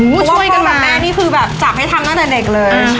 เพราะว่าพ่อกับแม่นี่ฟือแบบจับให้ทำตั้งแต่เด็กเลย